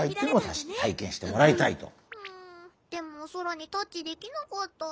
でもおそらにタッチできなかった。